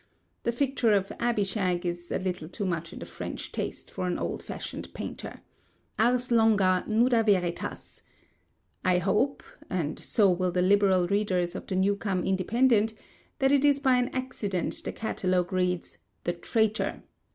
The figure of Abishag is a little too much in the French taste for an old fashioned painter. Ars longa, nuda veritas! I hope (and so will the Liberal readers of the "Newcome Independent") that it is by an accident the catalogue reads—"The Traitor."